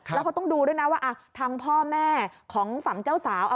แล้วเขาต้องดูด้วยนะว่าทางพ่อแม่ของฝั่งเจ้าสาว